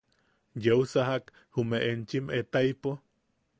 ¿Yeu sajak jume enchim etaipo?